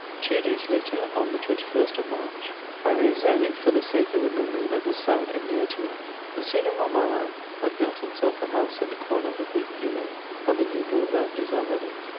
Two days later, on the 21st of March, I rose early, for the sake of a memory that was sad and dear to me. M. de Montmorin had built himself a house at the corner of the Rue Plumet, on the new Boulevard des Invalides.